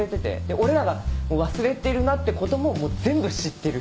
俺らが忘れているなってことももう全部知ってる人。